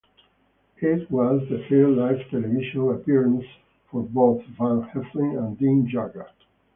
It was the first live television appearance for both Van Heflin and Dean Jagger.